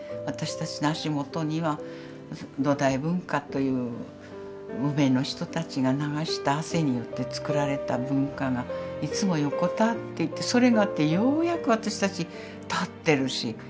私たちの足元には土台文化という無名の人たちが流した汗によって作られた文化がいつも横たわっていてそれがあってようやく私たち立ってるし。